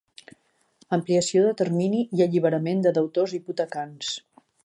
Ampliació de termini i alliberament de deutors hipotecants.